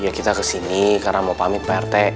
iya kita ke sini karena mau pamit pak rtv